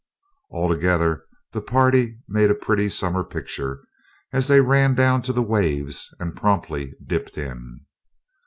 Altogether the party made a pretty summer picture, as they ran down to the waves, and promptly dipped in.